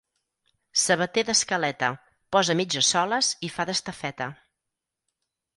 Sabater d'escaleta, posa mitges soles i fa d'estafeta.